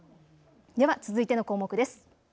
では続いての項目です。